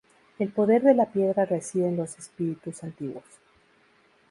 El poder de la piedra reside en los espíritus antiguos.